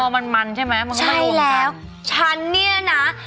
มันมันใช่ไหมมันก็ไม่รวมกันใช่แล้วฉันเนี่ยนะ